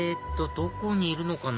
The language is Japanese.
どこにいるのかな？